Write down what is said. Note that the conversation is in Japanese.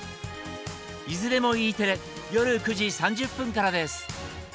いずれもＥテレ夜９時３０分からです。